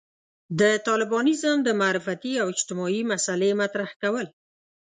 د طالبانيزم د معرفتي او اجتماعي مسألې مطرح کول.